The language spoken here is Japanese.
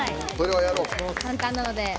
簡単なので。